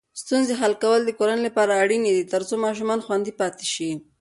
ستونزې حل کول د کورنۍ لپاره اړین دي ترڅو ماشومان خوندي پاتې شي.